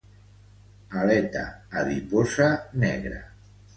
Aleta adiposa negra.